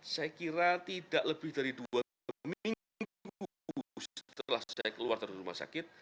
saya kira tidak lebih dari dua minggu setelah saya keluar dari rumah sakit